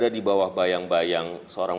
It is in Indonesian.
di bawah bayang bayang seorang